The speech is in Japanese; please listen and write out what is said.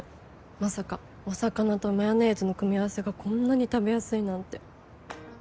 まさかお魚とマヨネーズの組み合わせがこんなに食べやすいなんて。